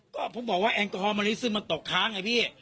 ก็ผมบอกว่าแอลกอฮอลมาลิซึมมันตกค้างไงพี่